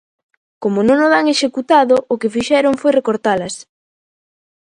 Como non o dan executado, o que fixeron foi recortalas.